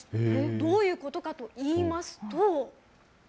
どういうことかといいますと。